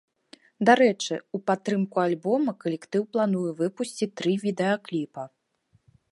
Дарэчы, у падтрымку альбома калектыў плануе выпусціць тры відэакліпа.